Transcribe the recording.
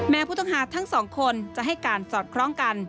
ผู้ต้องหาทั้งสองคนจะให้การสอดคล้องกัน